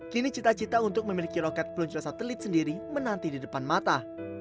kini cita cita untuk memiliki roket peluncuran satelit sendiri menanti di depan mata